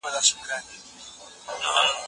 له ايمان راوړلو وروسته بد نومي لويه ګناه ده.